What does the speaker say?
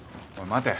待て。